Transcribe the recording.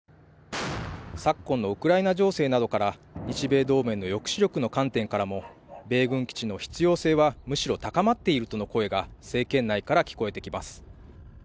昨今のウクライナ情勢などから日米同盟の抑止力の観点からも米軍基地の必要性はむしろ高まっているとの声が政権内から聞こえてきます。